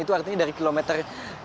itu artinya dari kilometer